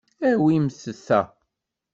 Awimt ta.